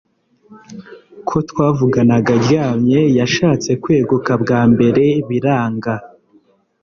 ko twavuganaga aryamye yashatse kweguka bwambere biranga